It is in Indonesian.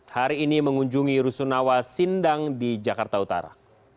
hari ini mengunjungi rusunawa sindang di jakarta utara